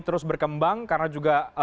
terus berkembang karena juga